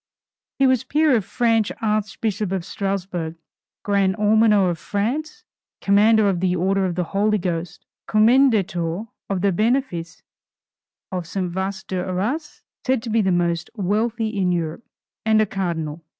He was Peer of France, Archbishop of Strasburg, Grand Almoner of France, Commander of the Order of the Holy Ghost, Commendator of the benefice of St. Wast d'Arras, said to be the most wealthy in Europe, and a Cardinal.